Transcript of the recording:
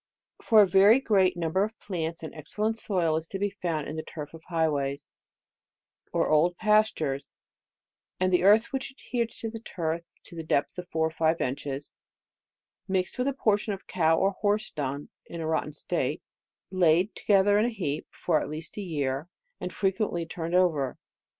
For a very great number of plants, an ex cellent soil is to be found in the turf of high ways, or old pastures, and the earth which adheres to the turf to the depth of four or five inches, mixed with a portion of cow or horse dung in a rotten state, laid together in a heap, for at least a year, and frequently turned over.